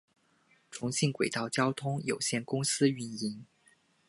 重庆轨道交通有限公司运营。